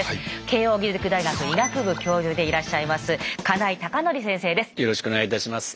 慶應義塾大学医学部教授でいらっしゃいます金井隆典先生です。